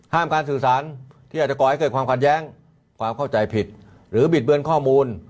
การสื่อสารที่อาจจะก่อให้เกิดความขัดแย้งความเข้าใจผิดหรือบิดเบือนข้อมูล